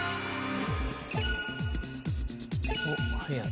「おっ速い」